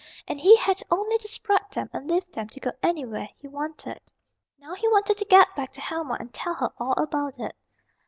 And he had only to spread them and lift them to go anywhere he wanted. Now he wanted to get back to Helma and tell her all about it.